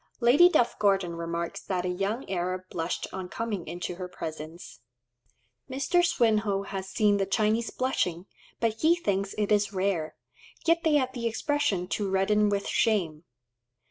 Lady Duff Gordon remarks that a young Arab blushed on coming into her presence. Mr. Swinhoe has seen the Chinese blushing, but he thinks it is rare; yet they have the expression "to redden with shame."